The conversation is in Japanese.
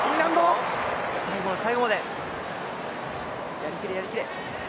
最後まで最後まで、やりきれやりきれ。